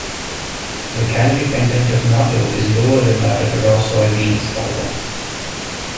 The calorie content of natto is lower than that of raw soy beans, however.